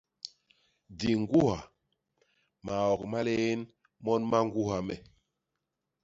Di ñgwuha; maok ma lién mon ma ñgwuha me!